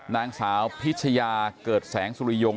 นางสาวพิชยาเกิดแสงสุริยง